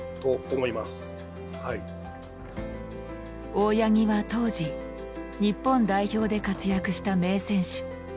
大八木は当時日本代表で活躍した名選手。